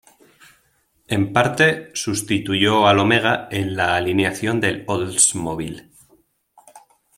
En parte, sustituyó al Omega en la alineación de Oldsmobile.